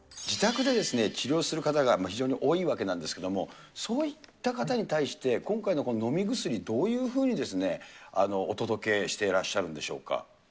自宅で治療する方が非常に多いわけなんですけれども、そういった方に対して、今回のこの飲み薬、どういうふうにお届けしていらっしゃるんでしょうか。